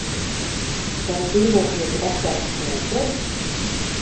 Vai dzīvokļos ir atļauts smēķēt?